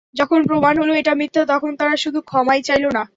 যখন প্রমাণ হলো এটা মিথ্যা, তখন তারা শুধু ক্ষমাই চাইল না।